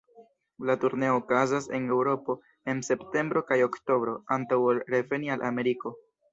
La turneo okazas en Eŭropo en septembro kaj oktobro, antaŭ ol reveni al Ameriko.